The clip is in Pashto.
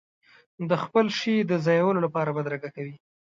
د خپل شي د ځایولو لپاره بدرګه کوي.